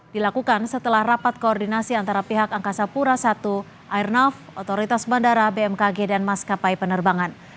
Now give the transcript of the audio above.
dilakukan setelah rapat koordinasi antara pihak angkasa pura i airnav otoritas bandara bmkg dan maskapai penerbangan